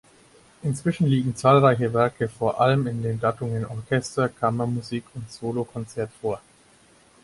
Inzwischen liegen zahlreiche Werke vor allem in den Gattungen Orchester-, Kammermusik und Solokonzert vor.